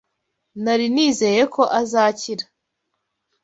Nari nizeye ko azakira.